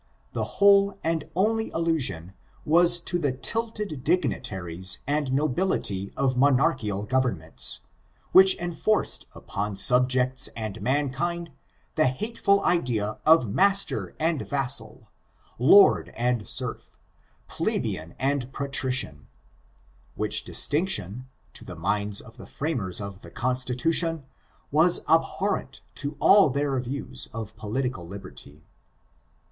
The whole and only allusion, was to the titled dignitaries and nobility of monarchical governments, which enforced upon subjects and mankind, the hateful idea of mas* ier and vassal, lord and sej'f^ plebeian and patrician, which distinction, to the minds of the framers of the constitution, was abhorrent to all their views of po litical liberty.